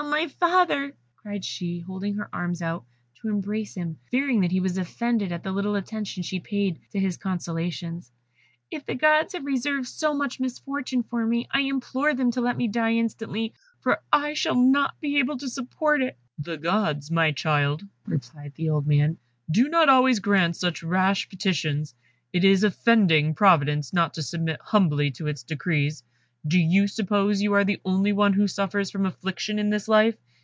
my father," cried she, holding her arms out to embrace him, fearing that he was offended at the little attention she paid to his consolations, "if the Gods have reserved so much misfortune for me, I implore them to let me die instantly, for I shall not be able to support it." "The Gods, my child," replied the old man, "do not always grant such rash petitions. It is offending Providence not to submit humbly to its decrees. Do you suppose you are the only one who suffers from affliction in this life?